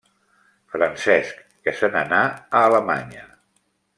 Francesc que se n’anà a Alemanya.